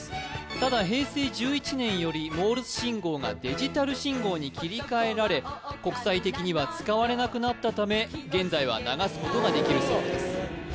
ただ平成１１年よりモールス信号がデジタル信号に切り替えられ国際的には使われなくなったため現在は流すことができるそうです